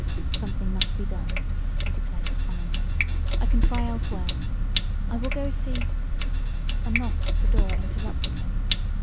"Something must be done," he declared, finally. "I can try elsewhere. I will go see " A knock at the door interrupted him.